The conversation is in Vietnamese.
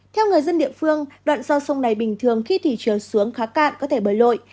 theo người dân địa phương đoạn giao sông này bình thường khi thủy trường xuống khá cạn có thể bơi lội